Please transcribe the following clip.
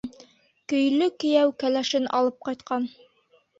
Көйлө кейәү кәләшен алып ҡайтҡан.